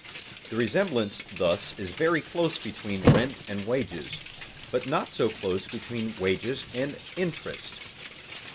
The resemblance thus is very close between rent and wages, but not so close between wages and interest.